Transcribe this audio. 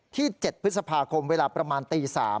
๗พฤษภาคมเวลาประมาณตี๓